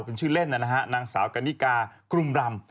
เป็นชื่อเล่นนะฮะนางสาวกันนิกากลุ่มรำ